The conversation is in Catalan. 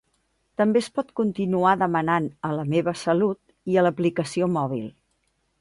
També es pot continuar demanant a “La meva salut” i a l’aplicació mòbil.